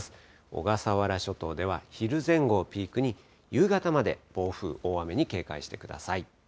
小笠原諸島では昼前後をピークに、夕方まで暴風、大雨に警戒してください。